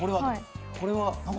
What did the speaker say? これは。